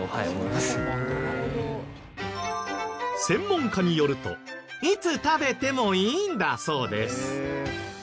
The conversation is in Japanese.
専門家によるといつ食べてもいいんだそうです。